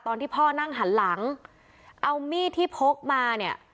ตอนที่พ่อนั่งหันหลังเอามีดที่พกมาเนี่ย